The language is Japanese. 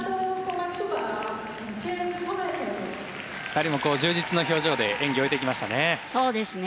２人も充実の表情で演技を終えてきましたね。